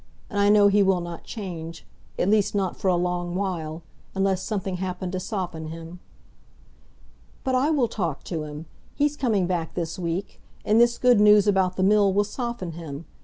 And I know he will not change—at least not for a long while—unless something happened to soften him." "But I will talk to him; he's coming back this week. And this good news about the Mill will soften him.